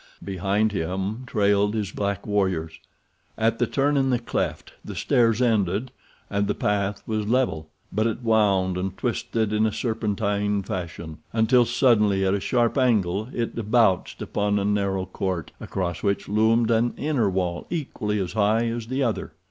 Behind him trailed his black warriors. At the turn in the cleft the stairs ended, and the path was level; but it wound and twisted in a serpentine fashion, until suddenly at a sharp angle it debouched upon a narrow court, across which loomed an inner wall equally as high as the outer.